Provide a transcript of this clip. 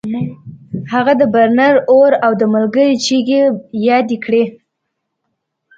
هغه د برنر اور او د ملګري چیغې یادې کړې